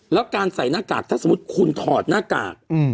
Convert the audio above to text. แล้วการใส่หน้ากากถ้าสมมุติคุณถอดหน้ากาก